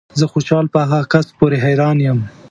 زه خوشحال په هغه کس پورې حیران یم